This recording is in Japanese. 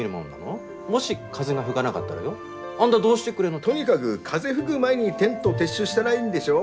もし風が吹がながったらよあんだどうしてくれんの。とにかぐ風吹ぐ前にテント撤収したらいいんでしょ？